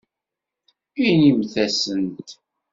Inimt-asent.